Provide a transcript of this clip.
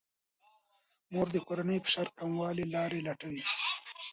مور د کورنۍ د فشار کمولو لارې لټوي.